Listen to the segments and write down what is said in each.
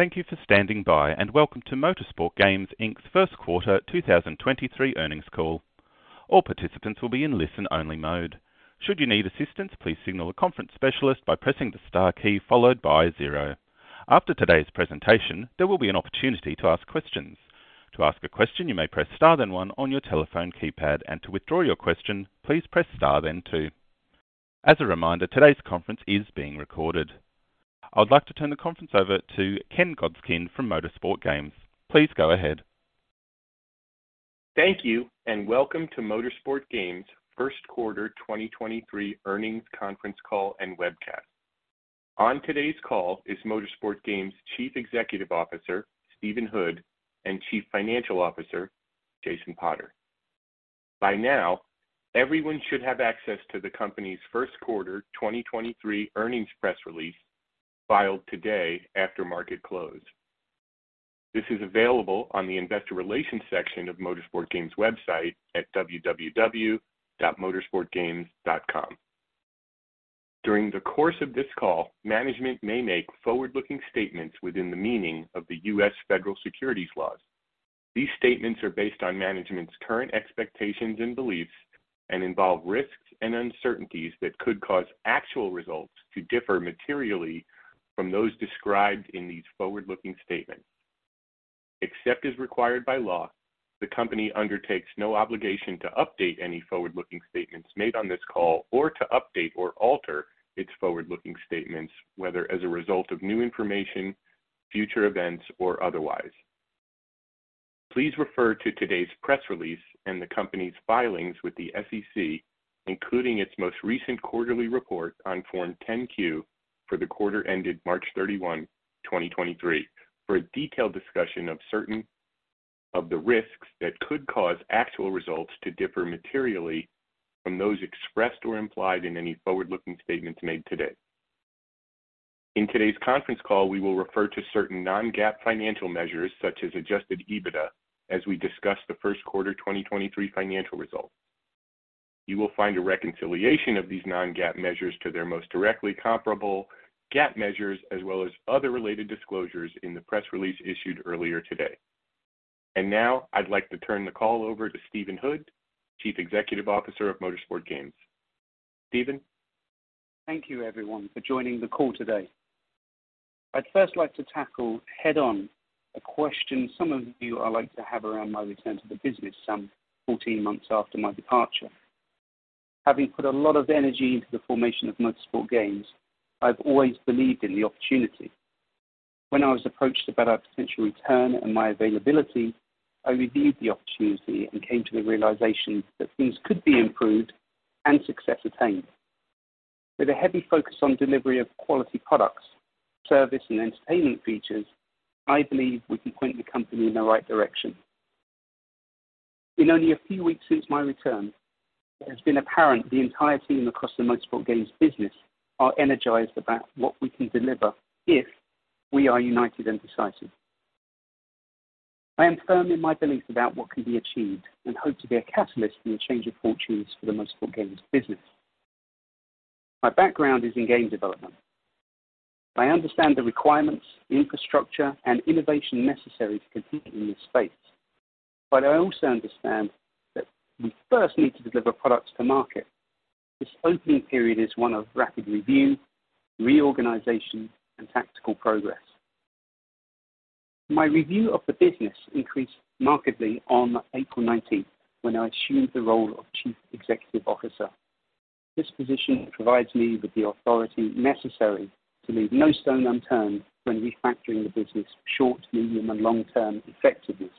Thank you for standing by. Welcome to Motorsport Games Inc.'s first quarter 2023 earnings call. All participants will be in listen-only mode. Should you need assistance, please signal a conference specialist by pressing the Star key followed by zero. After today's presentation, there will be an opportunity to ask questions. To ask a question, you may press Star then one on your telephone keypad. To withdraw your question, please press Star then two. As a reminder, today's conference is being recorded. I would like to turn the conference over to Ken Godskind from Motorsport Games. Please go ahead. Thank you, welcome to Motorsport Games' first quarter 2023 earnings conference call and webcast. On today's call is Motorsport Games' Chief Executive Officer, Stephen Hood, and Chief Financial Officer, Jason Potter. By now, everyone should have access to the company's first quarter 2023 earnings press release filed today after market close. This is available on the investor relations section of Motorsport Games' website at www.motorsportgames.com. During the course of this call, management may make forward-looking statements within the meaning of the U.S. Federal securities laws. These statements are based on management's current expectations and beliefs and involve risks and uncertainties that could cause actual results to differ materially from those described in these forward-looking statements. Except as required by law, the company undertakes no obligation to update any forward-looking statements made on this call or to update or alter its forward-looking statements, whether as a result of new information, future events, or otherwise. Please refer to today's press release and the company's filings with the SEC, including its most recent quarterly report on Form 10-Q for the quarter ended March 31, 2023, for a detailed discussion of certain of the risks that could cause actual results to differ materially from those expressed or implied in any forward-looking statements made today. In today's conference call, we will refer to certain non-GAAP financial measures, such as adjusted EBITDA, as we discuss the first quarter 2023 financial results. You will find a reconciliation of these non-GAAP measures to their most directly comparable GAAP measures, as well as other related disclosures in the press release issued earlier today. Now I'd like to turn the call over to Stephen Hood, Chief Executive Officer of Motorsport Games. Stephen. Thank you, everyone, for joining the call today. I'd first like to tackle head-on a question some of you are likely to have around my return to the business some 14 months after my departure. Having put a lot of energy into the formation of Motorsport Games, I've always believed in the opportunity. When I was approached about our potential return and my availability, I reviewed the opportunity and came to the realization that things could be improved and success attained. With a heavy focus on delivery of quality products, service, and entertainment features, I believe we can point the company in the right direction. In only a few weeks since my return, it has been apparent the entire team across the Motorsport Games business are energized about what we can deliver if we are united and decisive. I am firm in my belief about what can be achieved and hope to be a catalyst in the change of fortunes for the Motorsport Games business. My background is in game development. I understand the requirements, infrastructure, and innovation necessary to compete in this space, but I also understand that we first need to deliver products to market. This opening period is one of rapid review, reorganization, and tactical progress. My review of the business increased markedly on April 19th when I assumed the role of Chief Executive Officer. This position provides me with the authority necessary to leave no stone unturned when refactoring the business short, medium, and long-term effectiveness.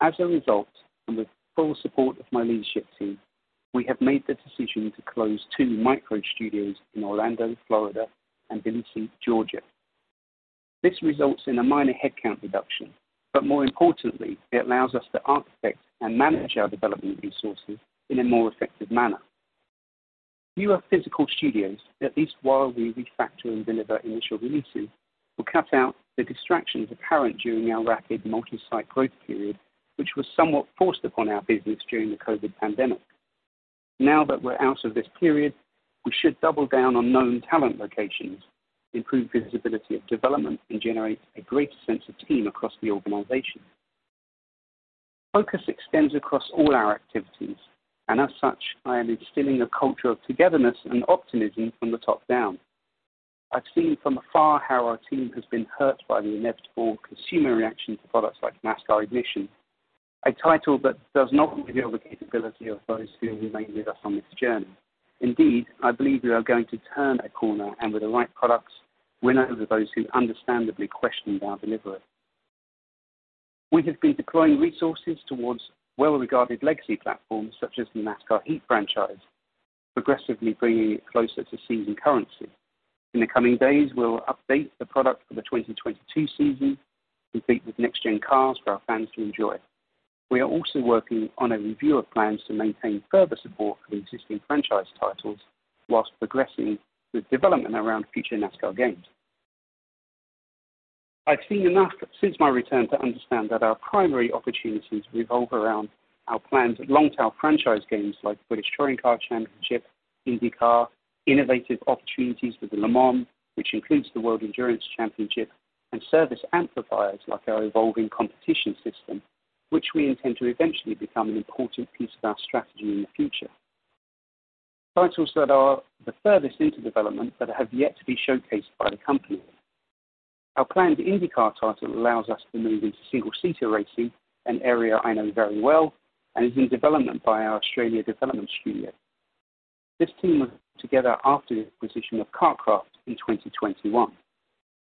As a result, and with full support of my leadership team, we have made the decision to close two micro studios in Orlando, Florida and Duluth, Georgia. This results in a minor headcount reduction, but more importantly, it allows us to architect and manage our development resources in a more effective manner. Fewer physical studios, at least while we refactor and deliver initial releases, will cut out the distractions apparent during our rapid multi-site growth period, which was somewhat forced upon our business during the COVID pandemic. Now that we're out of this period, we should double down on known talent locations, improve visibility of development, and generate a greater sense of team across the organization. Focus extends across all our activities, and as such, I am instilling a culture of togetherness and optimism from the top down. I've seen from afar how our team has been hurt by the inevitable consumer reaction to products like NASCAR Ignition, a title that does not reveal the capability of those who remain with us on this journey. Indeed, I believe we are going to turn a corner, and with the right products, win over those who understandably questioned our delivery. We have been deploying resources towards well-regarded legacy platforms such as the NASCAR Heat franchise, progressively bringing it closer to season currency. In the coming days, we'll update the product for the 2022 season, complete with next-gen cars for our fans to enjoy. We are also working on a review of plans to maintain further support for the existing franchise titles whilst progressing with development around future NASCAR games. I've seen enough since my return to understand that our primary opportunities revolve around our plans at long tail franchise games like British Touring Car Championship, IndyCar, innovative opportunities with the Le Mans, which includes the World Endurance Championship and service amplifiers like our evolving competition system, which we intend to eventually become an important piece of our strategy in the future. Titles that are the furthest into development but have yet to be showcased by the company. Our planned IndyCar title allows us to move into single-seater racing, an area I know very well, and is in development by our Australian development studio. This team was together after the acquisition of KartKraft in 2021.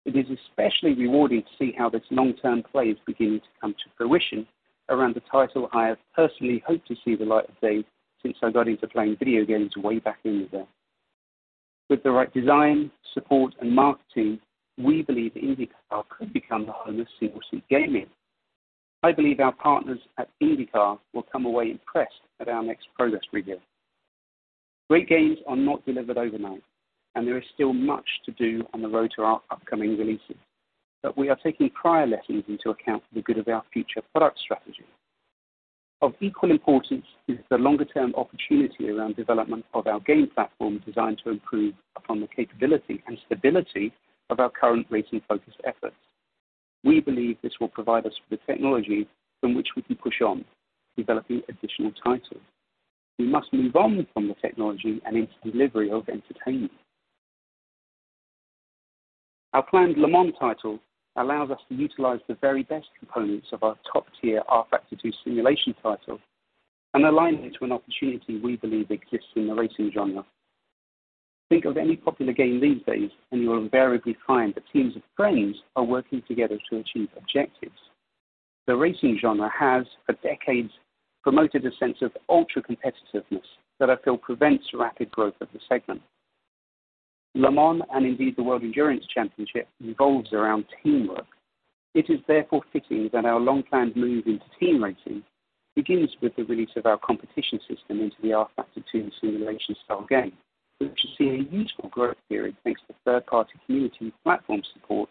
It is especially rewarding to see how this long-term play is beginning to come to fruition around the title I have personally hoped to see the light of day since I got into playing video games way back in the day. With the right design, support and marketing, we believe IndyCar could become the home of single-seat gaming. I believe our partners at IndyCar will come away impressed at our next progress review. Great games are not delivered overnight. There is still much to do on the road to our upcoming releases. We are taking prior lessons into account for the good of our future product strategy. Of equal importance is the longer-term opportunity around development of our game platform designed to improve upon the capability and stability of our current racing-focused efforts. We believe this will provide us with technology from which we can push on developing additional titles. We must move on from the technology and into delivery of entertainment. Our planned LeMans title allows us to utilize the very best components of our top-tier rfactor two simulation title and align it to an opportunity we believe exists in the racing genre. Think of any popular game these days, and you will invariably find that teams of friends are working together to achieve objectives. The racing genre has for decades promoted a sense of ultra-competitiveness that I feel prevents rapid growth of the segment. Le Mans and indeed the World Endurance Championship revolves around teamwork. It is therefore fitting that our long-planned move into team racing begins with the release of our competition system into the rfactor two simulation-style game. We should see a useful growth period thanks to third-party community platform support,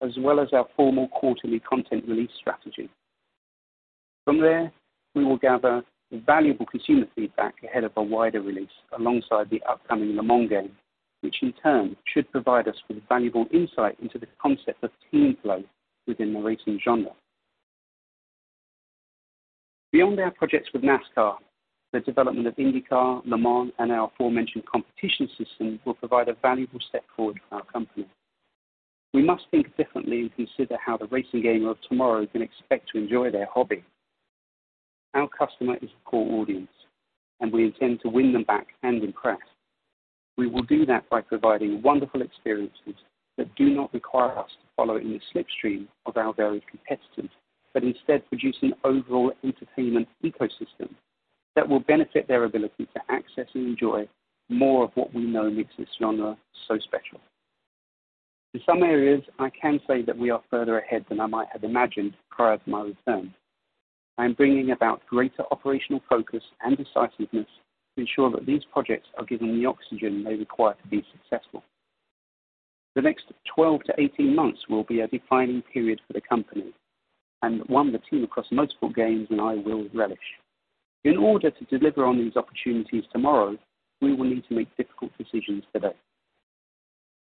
as well as our formal quarterly content release strategy. From there, we will gather valuable consumer feedback ahead of a wider release alongside the upcoming Le Mans game, which in turn should provide us with valuable insight into the concept of team play within the racing genre. Beyond our projects with NASCAR, the development of IndyCar, Le Mans and our aforementioned competition system will provide a valuable step forward for our company. We must think differently and consider how the racing gamer of tomorrow can expect to enjoy their hobby. Our customer is a core audience, and we intend to win them back and impress. We will do that by providing wonderful experiences that do not require us to follow in the slipstream of our various competitors, but instead produce an overall entertainment ecosystem that will benefit their ability to access and enjoy more of what we know makes this genre so special. In some areas, I can say that we are further ahead than I might have imagined prior to my return. I am bringing about greater operational focus and decisiveness to ensure that these projects are given the oxygen they require to be successful. The next 12-18 months will be a defining period for the company and one the team across Motorsport Games and I will relish. In order to deliver on these opportunities tomorrow, we will need to make difficult decisions today.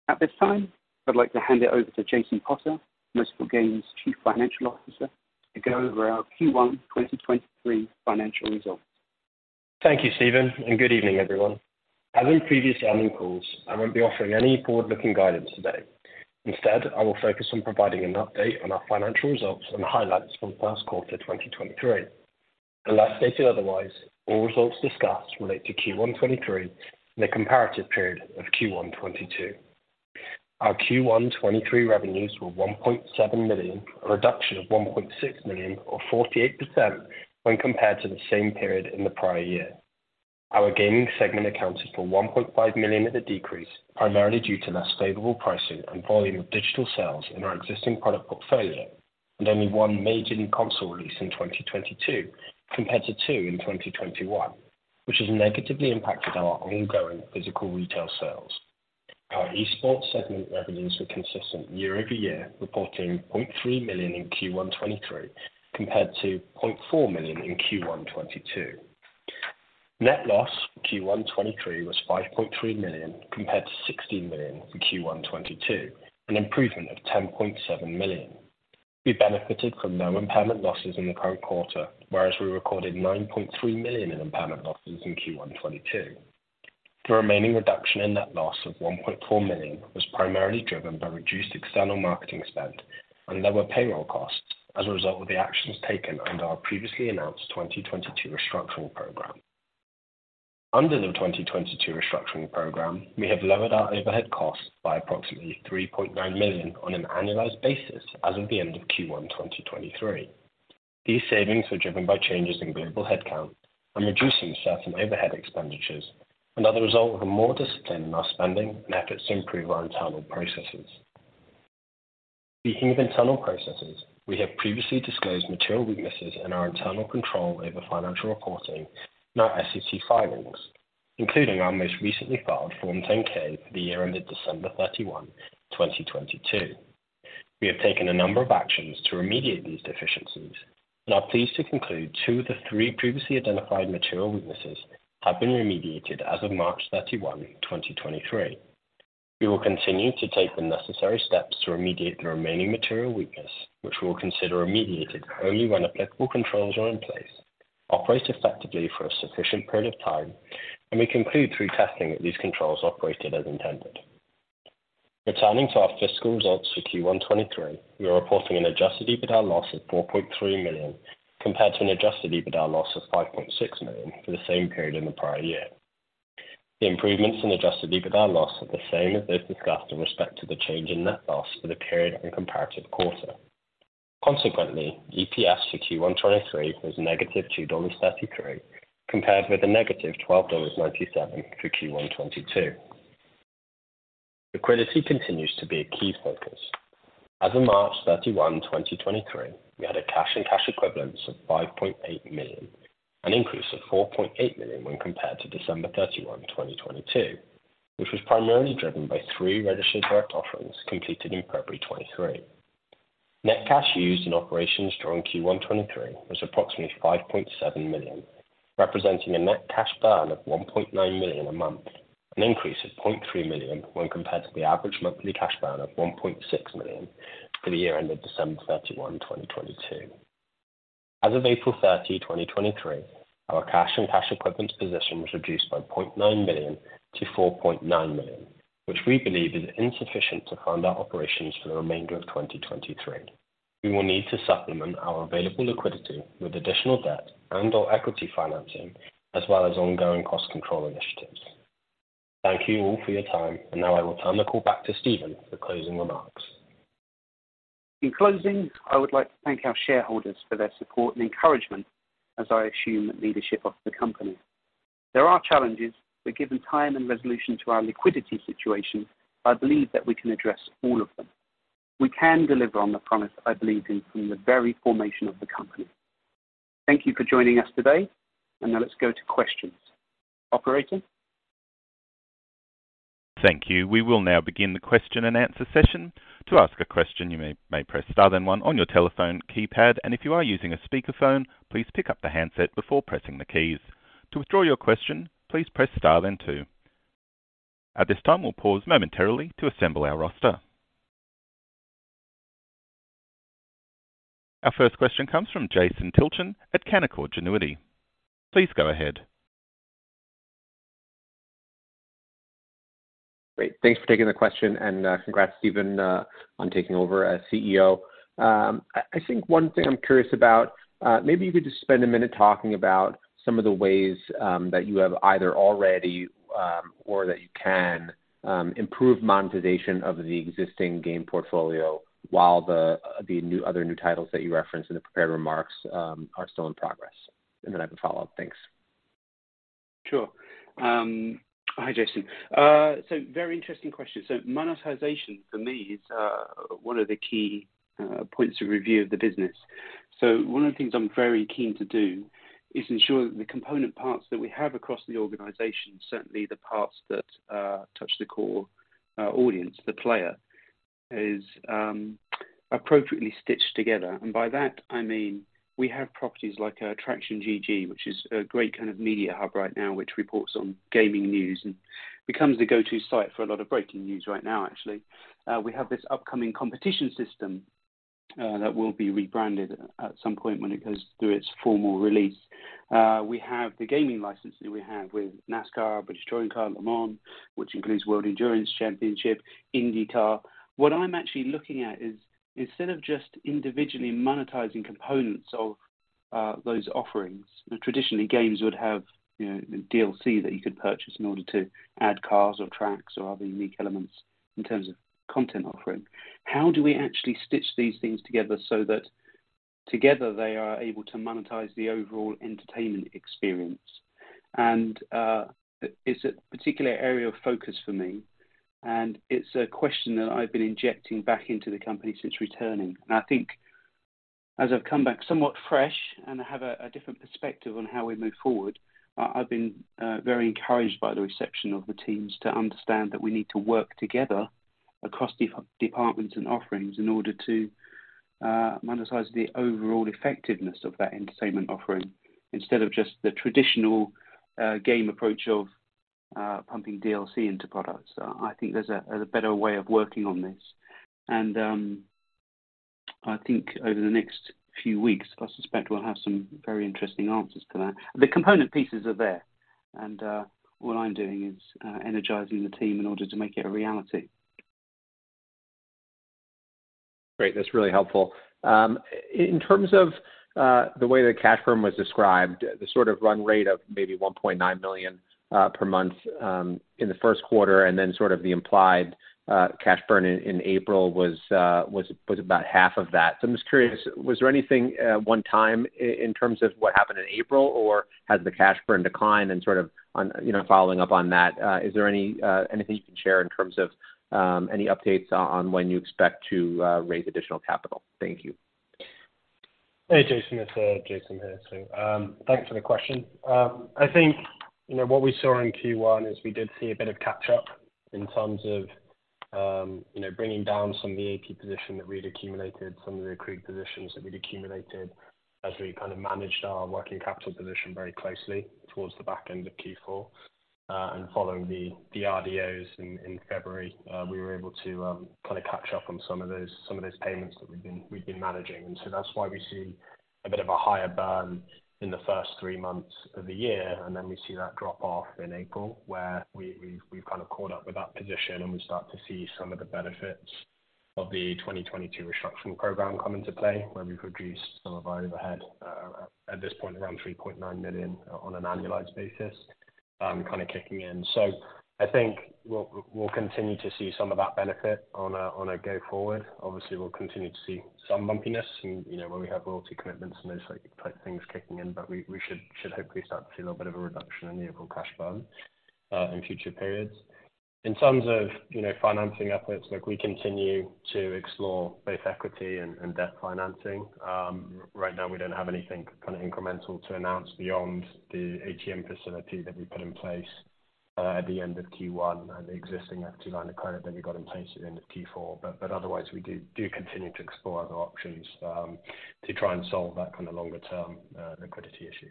At this time, I'd like to hand it over to Jason Potter, Motorsport Games Chief Financial Officer, to go over our Q1 2023 financial results. Thank you, Stephen. Good evening everyone. As in previous earnings calls, I won't be offering any forward-looking guidance today. Instead, I will focus on providing an update on our financial results and highlights from first quarter 2023. Unless stated otherwise, all results discussed relate to Q1 2023 and the comparative period of Q1 2022. Our Q1 2023 revenues were $1.7 million, a reduction of $1.6 million or 48% when compared to the same period in the prior year. Our gaming segment accounted for $1.5 million of the decrease, primarily due to less favorable pricing and volume of digital sales in our existing product portfolio, only one major new console release in 2022 compared to two in 2021, which has negatively impacted our ongoing physical retail sales. Our Esports segment revenues were consistent year over year, reporting $0.3 million in Q1 2023 compared to $0.4 million in Q1 2022. Net loss for Q1 2023 was $5.3 million compared to $16 million for Q1 2022, an improvement of $10.7 million. We benefited from no impairment losses in the current quarter, whereas we recorded $9.3 million in impairment losses in Q1 2022. The remaining reduction in net loss of $1.4 million was primarily driven by reduced external marketing spend and lower payroll costs as a result of the actions taken under our previously announced 2022 restructuring program. Under the 2022 restructuring program, we have lowered our overhead costs by approximately $3.9 million on an annualized basis as of the end of Q1 2023. These savings were driven by changes in global headcount and reducing certain overhead expenditures, and are the result of a more disciplined spending and efforts to improve our internal processes. Speaking of internal processes, we have previously disclosed material weaknesses in our internal control over financial reporting in our SEC filings, including our most recently filed Form 10-K for the year ended December 31, 2022. We have taken a number of actions to remediate these deficiencies and are pleased to conclude two of the three previously identified material weaknesses have been remediated as of March 31, 2023. We will continue to take the necessary steps to remediate the remaining material weakness, which we will consider remediated only when applicable controls are in place, operate effectively for a sufficient period of time, and we conclude through testing that these controls operated as intended. Returning to our fiscal results for Q1 2023, we are reporting an adjusted EBITDA loss of $4.3 million compared to an adjusted EBITDA loss of $5.6 million for the same period in the prior year. The improvements in adjusted EBITDA loss are the same as those discussed in respect to the change in net loss for the period and comparative quarter. Consequently, EPS for Q1 2023 was negative $2.33, compared with a negative $12.97 for Q1 2022. Liquidity continues to be a key focus. As of March 31, 2023, we had a cash and cash equivalents of $5.8 million, an increase of $4.8 million when compared to December 31, 2022, which was primarily driven by three Registered Direct Offerings completed in February 2023. Net cash used in operations during Q1 2023 was approximately $5.7 million, representing a net cash burn of $1.9 million a month, an increase of $0.3 million when compared to the average monthly cash burn of $1.6 million for the year ended December 31, 2022. As of April 30, 2023, our cash and cash equivalents position was reduced by $0.9 million to $4.9 million, which we believe is insufficient to fund our operations for the remainder of 2023. We will need to supplement our available liquidity with additional debt and/or equity financing, as well as ongoing cost control initiatives. Thank you all for your time, and now I will turn the call back to Stephen for closing remarks. In closing, I would like to thank our shareholders for their support and encouragement as I assume leadership of the company. There are challenges, but given time and resolution to our liquidity situation, I believe that we can address all of them. We can deliver on the promise I believed in from the very formation of the company. Thank you for joining us today. Now let's go to questions. Operator? Thank you. We will now begin the question and answer session. To ask a question, you may press star then 1 on your telephone keypad. If you are using a speakerphone, please pick up the handset before pressing the keys. To withdraw your question, please press star then 2. At this time, we'll pause momentarily to assemble our roster. Our first question comes from Jason Tilton at Canaccord Genuity. Please go ahead. Great. Thanks for taking the question and congrats, Stephen, on taking over as CEO. I think one thing I'm curious about, maybe you could just spend a minute talking about some of the ways that you have either already, or that you can, improve monetization of the existing game portfolio while the other new titles that you referenced in the prepared remarks, are still in progress. I can follow up. Thanks. Sure. Hi, Jason. Very interesting question. Monetization for me is one of the key points of review of the business. One of the things I'm very keen to do is ensure that the component parts that we have across the organization, certainly the parts that touch the core audience, the player, is appropriately stitched together. By that, I mean, we have properties like Traxion.GG, which is a great kind of media hub right now, which reports on gaming news and becomes the go-to site for a lot of breaking news right now, actually. We have this upcoming competition system that will be rebranded at some point when it goes through its formal release. We have the gaming licenses we have with NASCAR, British Touring Car Championship, 24 Hours of Le Mans, which includes FIA World Endurance Championship, IndyCar. What I'm actually looking at is instead of just individually monetizing components of those offerings, traditionally games would have, you know, DLC that you could purchase in order to add cars or tracks or other unique elements in terms of content offering. How do we actually stitch these things together so that together they are able to monetize the overall entertainment experience? It's a particular area of focus for me, and it's a question that I've been injecting back into the company since returning. I think as I've come back somewhat fresh and have a different perspective on how we move forward, I've been very encouraged by the reception of the teams to understand that we need to work together across departments and offerings in order to monetize the overall effectiveness of that entertainment offering instead of just the traditional game approach of pumping DLC into products. I think there's a better way of working on this. I think over the next few weeks, I suspect we'll have some very interesting answers to that. The component pieces are there, and what I'm doing is energizing the team in order to make it a reality. Great. That's really helpful. In terms of the way the cash burn was described, the sort of run rate of maybe $1.9 million per month in the first quarter, and then sort of the implied cash burn in April was about half of that. I'm just curious, was there anything one time in terms of what happened in April, or has the cash burn declined? Sort of on, you know, following up on that, is there any anything you can share in terms of any updates on when you expect to raise additional capital? Thank you. Hey, Jason. It's Jason here. Thanks for the question. I think, you know, what we saw in Q1 is we did see a bit of catch-up in terms of, you know, bringing down some of the AP position that we'd accumulated, some of the accrued positions that we'd accumulated as we kind of managed our working capital position very closely towards the back end of Q4. Following the RDOs in February, we were able to kinda catch up on some of those payments that we've been managing. That's why we see a bit of a higher burn in the first 3 months of the year, and then we see that drop off in April, where we've kind of caught up with that position, and we start to see some of the benefits of the 2022 restructuring program come into play, where we've reduced some of our overhead at this point around $3.9 million on an annualized basis, kinda kicking in. I think we'll continue to see some of that benefit on a go forward. Obviously, we'll continue to see some bumpiness in, you know, where we have royalty commitments and those type things kicking in, but we should hopefully start to see a little bit of a reduction in the overall cash burn in future periods. In terms of, you know, financing efforts, look, we continue to explore both equity and debt financing. Right now we don't have anything kinda incremental to announce beyond the ATM facility that we put in place at the end of Q1 and the existing active line of credit that we got in place at the end of Q4. Otherwise we continue to explore other options to try and solve that kind of longer term liquidity issue.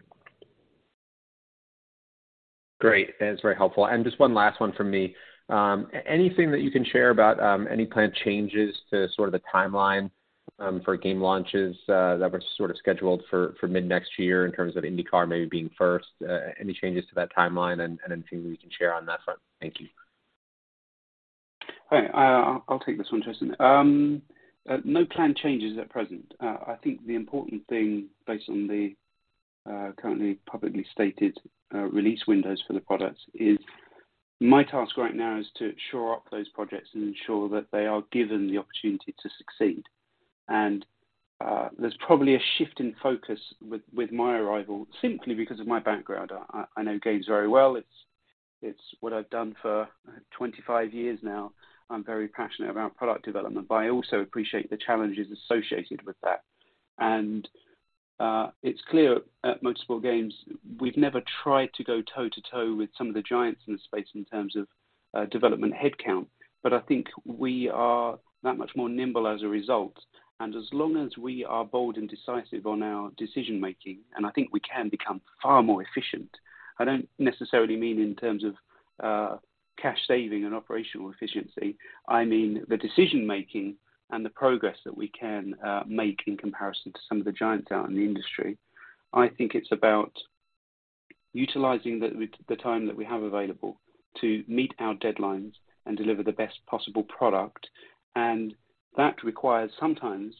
Great. That's very helpful. Just one last one from me. Anything that you can share about any planned changes to sort of the timeline for game launches that were sort of scheduled for mid-next year in terms of IndyCar maybe being first, any changes to that timeline and anything we can share on that front? Thank you. ake this one, Justin. No planned changes at present. I think the important thing based on the currently publicly stated release windows for the products is my task right now is to shore up those projects and ensure that they are given the opportunity to succeed. There's probably a shift in focus with my arrival simply because of my background. I know games very well. It's what I've done for 25 years now. I'm very passionate about product development, but I also appreciate the challenges associated with that. It's clear at Motorsport Games, we've never tried to go toe-to-toe with some of the giants in the space in terms of development headcount. But I think we are that much more nimble as a result. As long as we are bold and decisive on our decision-making, I think we can become far more efficient. I don't necessarily mean in terms of cash saving and operational efficiency. I mean, the decision-making and the progress that we can make in comparison to some of the giants out in the industry. I think it's about utilizing the time that we have available to meet our deadlines and deliver the best possible product. That requires sometimes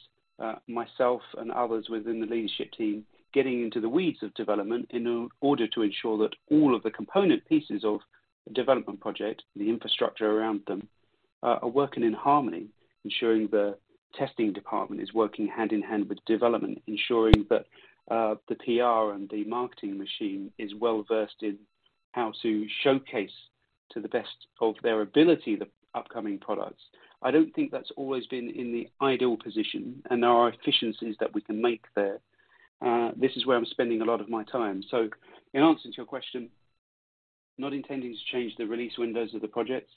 myself and others within the leadership team getting into the weeds of development in order to ensure that all of the component pieces of a development project, the infrastructure around them, are working in harmony. Ensuring the testing department is working hand-in-hand with development. Ensuring that the PR and the marketing machine is well versed in how to showcase to the best of their ability the upcoming products. I don't think that's always been in the ideal position, and there are efficiencies that we can make there. This is where I'm spending a lot of my time. In answer to your question, not intending to change the release windows of the projects,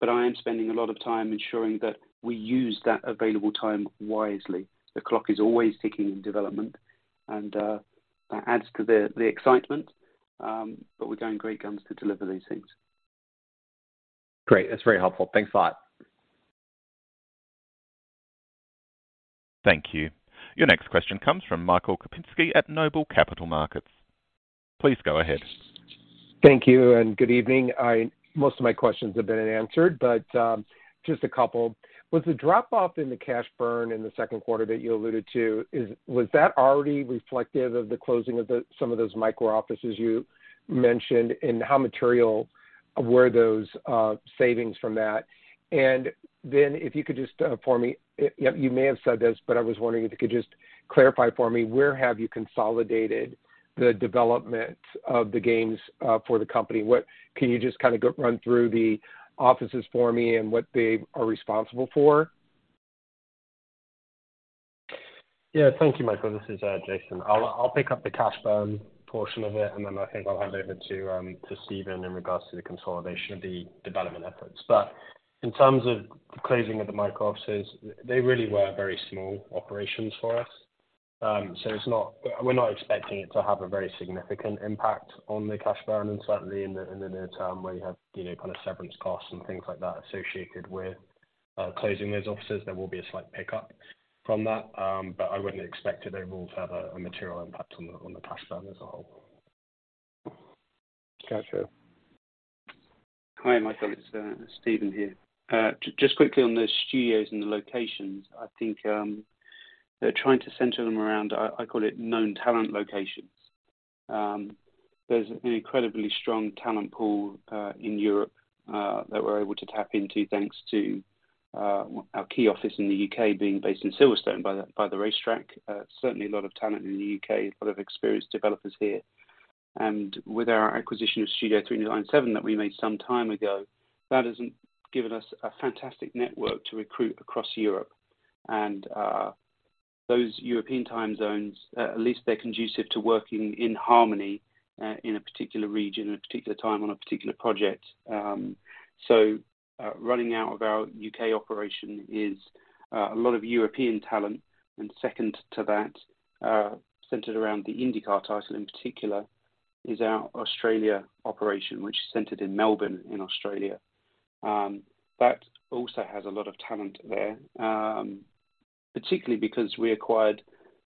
but I am spending a lot of time ensuring that we use that available time wisely. The clock is always ticking in development, and that adds to the excitement, but we're going great guns to deliver these things. Great. That's very helpful. Thanks a lot. Thank you. Your next question comes from Michael Kupinski at Noble Capital Markets. Please go ahead. Thank you and good evening. Most of my questions have been answered, but, just a couple. With the drop-off in the cash burn in the second quarter that you alluded to, was that already reflective of the closing of the some of those micro offices you mentioned, and how material were those savings from that? If you could just for me, you may have said this, but I was wondering if you could just clarify for me, where have you consolidated the development of the games for the company? Can you just kinda go run through the offices for me and what they are responsible for? Thank you, Michael. This is Jason. I'll pick up the cash burn portion of it. I think I'll hand over to Stephen in regards to the consolidation of the development efforts. In terms of closing of the micro offices, they really were very small operations for us. We're not expecting it to have a very significant impact on the cash burn. Certainly in the near term where you have, you know, kind of severance costs and things like that associated with closing those offices, there will be a slight pickup from that. I wouldn't expect it overall to have a material impact on the cash burn as a whole. Gotcha. Hi, Michael. It's Stephen here. Just quickly on the studios and the locations. I think they're trying to center them around, I call it known talent locations. There's an incredibly strong talent pool in Europe that we're able to tap into thanks to our key office in the U.K. being based in Silverstone by the, by the racetrack. Certainly a lot of talent in the U.K., a lot of experienced developers here. With our acquisition of Studio 397 that we made some time ago, that has given us a fantastic network to recruit across Europe. Those European time zones, at least they're conducive to working in harmony in a particular region, in a particular time, on a particular project. Running out of our U.K. operation is a lot of European talent. Second to that, centered around the IndyCar title in particular, is our Australia operation, which is centered in Melbourne in Australia. That also has a lot of talent there, particularly because we acquired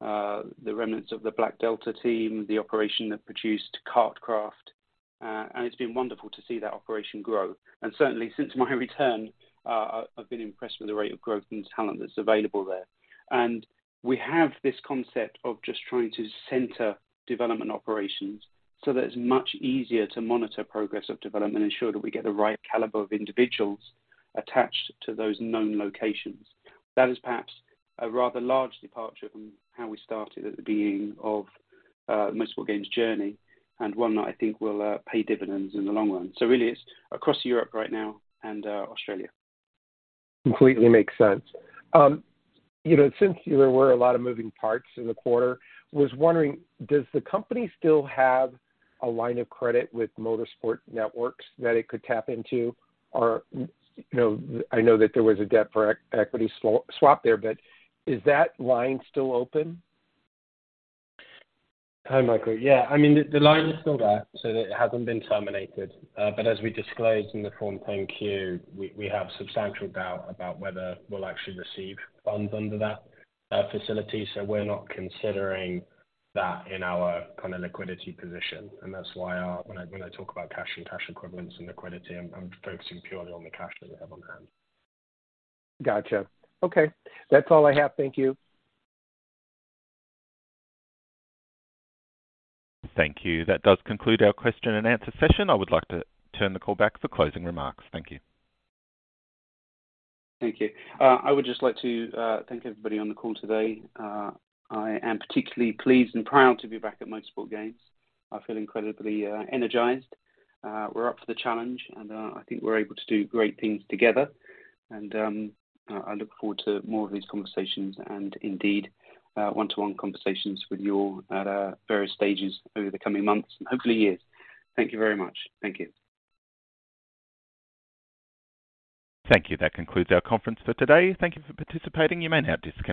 the remnants of the Black Delta team, the operation that produced KartKraft, and it's been wonderful to see that operation grow. Certainly since my return, I've been impressed with the rate of growth and talent that's available there. We have this concept of just trying to center development operations so that it's much easier to monitor progress of development, ensure that we get the right caliber of individuals attached to those known locations. That is perhaps a rather large departure from how we started at the beginning of Motorsport Games' journey, and one that I think will pay dividends in the long run. really it's across Europe right now and, Australia. Completely makes sense. you know, since there were a lot of moving parts in the quarter, was wondering, does the company still have a line of credit with Motorsport Network that it could tap into? you know, I know that there was a debt for equity swap there, but is that line still open? Hi, Michael. Yeah, I mean, the line is still there, so it hasn't been terminated. As we disclosed in the Form 10-Q, we have substantial doubt about whether we'll actually receive funds under that facility. We're not considering that in our kind of liquidity position. That's why, when I talk about cash and cash equivalents and liquidity, I'm focusing purely on the cash that we have on hand. Gotcha. Okay. That's all I have. Thank you. Thank you. That does conclude our question and answer session. I would like to turn the call back for closing remarks. Thank you. Thank you. I would just like to thank everybody on the call today. I am particularly pleased and proud to be back at Motorsport Games. I feel incredibly energized. We're up for the challenge and I think we're able to do great things together. I look forward to more of these conversations and indeed, one-to-one conversations with you all at our various stages over the coming months and hopefully years. Thank you very much. Thank you. Thank you. That concludes our conference for today. Thank you for participating. You may now disconnect.